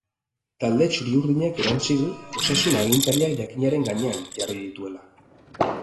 Talde txuri-urdinak erantsi du osasun agintariak jakinaren gainean jarri dituela.